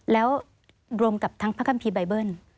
แล้วรวมกับทั้งพระคัมภีร์ใบเบิ้ล